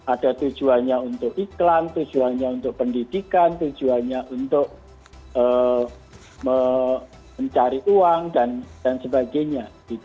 ada tujuannya untuk iklan tujuannya untuk pendidikan tujuannya untuk mencari uang dan sebagainya